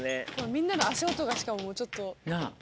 みんなの足音がしかももうちょっと。